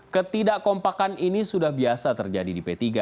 ketidakompakan ini sudah biasa terjadi di p tiga